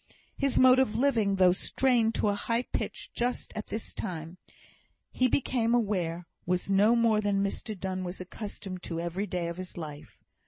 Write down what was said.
His mode of living, though strained to a high pitch just at this time, he became aware was no more than Mr Donne was accustomed to every day of his life.